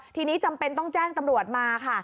ทีนี้จำเป็นต้องแจ้งตำรวจมาค่ะ